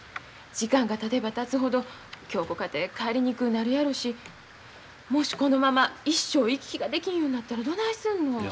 時間がたてばたつほど恭子かて帰りにくうなるやろしもしこのまま一生行き来ができんようになったらどないすんの。